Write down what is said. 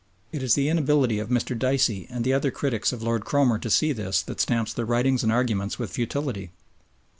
It is the inability of Mr. Dicey and the other critics of Lord Cromer to see this that stamps their writings and arguments with futility.